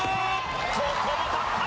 ここも立った！